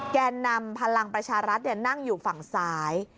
แก่นำพลังประชารัฐนั่งอยู่ฝั่งซ้าย